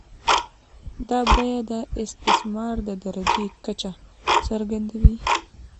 دا بیه د استثمار د درجې کچه څرګندوي